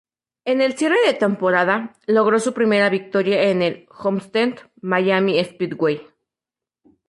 En el cierre de temporada, logró su primera victoria en el Homestead-Miami Speedway.